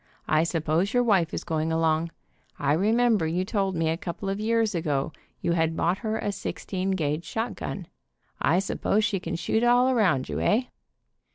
I suppose your wife is going along. I remember you told me a couple of years ago you had bought her a sixteen gauge shotgun. I suppose she can shoot all around you, eh?"